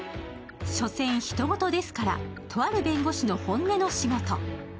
「しょせん他人事ですからとある弁護士の本音の仕事」。